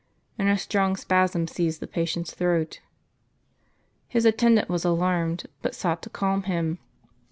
And a strong spasm seized the patient's throat. His attendant was alarmed, but sought to calm him.